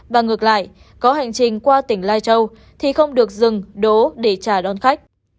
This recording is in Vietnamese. và ngược lại có hành trình qua tỉnh lai châu thì không được dừng đố để trả đòn khách